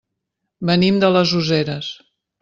Venim de les Useres.